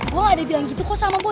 gue gak ada bilang gitu kok sama bu